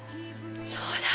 そうだ。